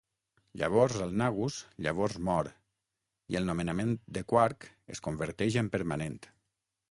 Llavors el Nagus llavors mor i el nomenament de Quark es converteix en permanent.